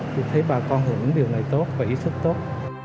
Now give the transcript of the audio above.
tôi thấy bà con hiểu những điều này tốt và ý thức tốt